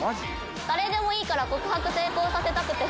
誰でもいいから告白成功させたくて。